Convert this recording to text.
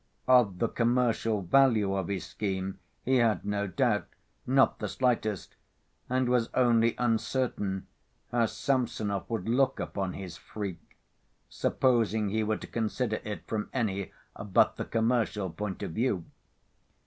Of the commercial value of his scheme he had no doubt, not the slightest, and was only uncertain how Samsonov would look upon his freak, supposing he were to consider it from any but the commercial point of view.